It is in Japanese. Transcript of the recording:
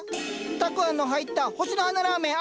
たくあんの入った星の花ラーメン。